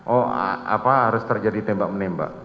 oh apa harus terjadi tembak menembak